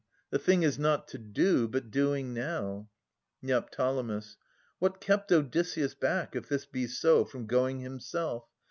The thing is not to do, but doing now. Neo. What kept Odysseus back, if this be so, From going himself?